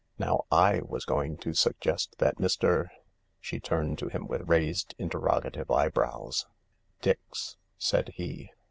Now / was going to suggest that Mr. ?" She turned to him with raised, interrogative eyebrows. " Dix," said he.